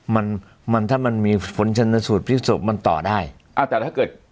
มันมันถ้ามันมีผลชนสูตรพลิกศพมันต่อได้อ่าแต่ถ้าเกิด